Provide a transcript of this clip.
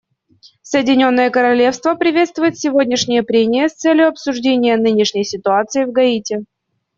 Соединенное Королевство приветствует сегодняшние прения с целью обсуждения нынешней ситуации в Гаити.